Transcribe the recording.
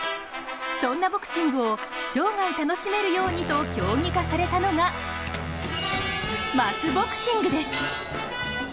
そんなボクシングを生涯楽しめるようにと競技化されたのがマスボクシングです。